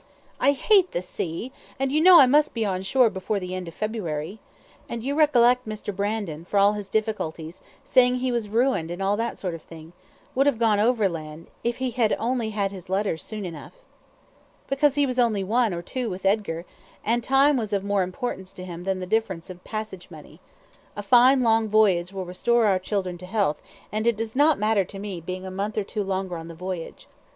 "I hate the sea, and you know I must be on shore before the end of February. And you recollect Mr. Brandon, for all his difficulties saying he was ruined and all that sort of thing would have gone overland, if he had only had his letters soon enough." "Because he was only one, or, with Edgar, two, and time was of more importance to him than the difference in passage money. A fine long voyage will restore our children to health, and it does not matter to me being a month or two longer on the voyage.